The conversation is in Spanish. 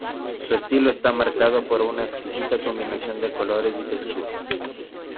Su estilo está marcado por una exquisita combinación de colores y texturas.